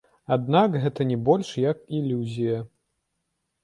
Аднак гэта не больш як ілюзія.